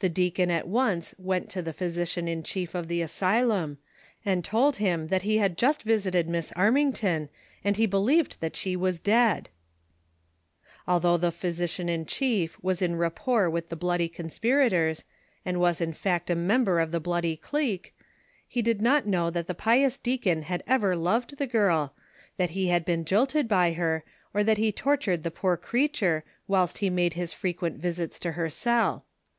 The deacon at once went to the physician in chief of the asylum, and told him that he had just visited Miss Armington, and he believed that she was dead I Although the physician in chief was in rapport with the Moody conspirators, and was in fact a member of the bloody clique, he did not know that the pious deacon had ever loved the girl, that he had been jilted by her, or that he tortured the poor creature, whilst he made his frequent visits to her cell.